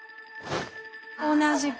同じく。